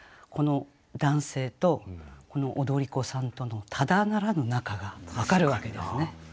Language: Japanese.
この男性とこの踊子さんとのただならぬ仲が分かるわけですね。